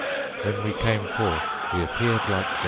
When we came forth we appeared like ghosts."